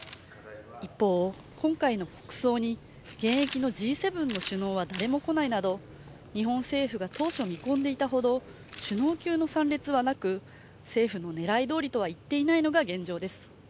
一方、今回の国葬に現役のＧ７の首脳は誰も来ないなど日本政府が当初見込んでいたほど首脳級の参列はなく政府の狙いどおりとはいっていないのが現状です。